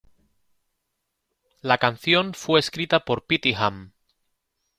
La canción fue escrita por Pete Ham.